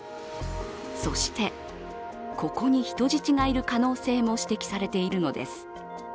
そしてここに人質がいる可能性も指摘されているのです。